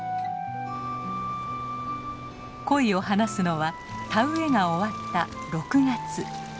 コイを放すのは田植えが終わった６月。